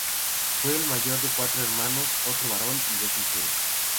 Fue el mayor de cuatro hermanos, otro varón y dos mujeres.